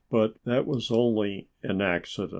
But that was only an accident."